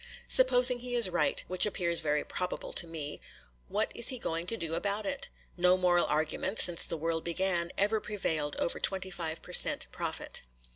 Supposing he is right,—which appears very probable to me,—what is he going to do about it? No moral argument, since the world began, ever prevailed over twenty five per cent. profit.